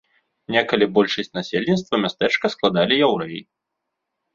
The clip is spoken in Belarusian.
Некалі большасць насельніцтва мястэчка складалі яўрэі.